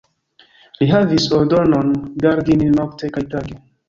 Li havis ordonon, gardi nin nokte kaj tage.